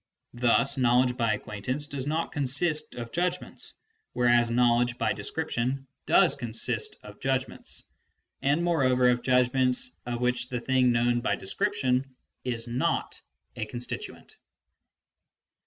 Thus knowledge by ac quaintance does not consist of judgments, whereas knowledge by description does consist of judgments, and moreover of judgments of which the thing known by description is not a constituent.